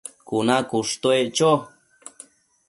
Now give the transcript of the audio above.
cuna cushtuec cho